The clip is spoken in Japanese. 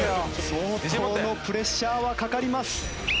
相当のプレッシャーはかかります。